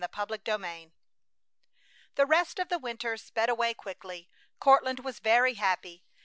CHAPTER XXXIII The rest of the winter sped away quickly. Courtland was very happy.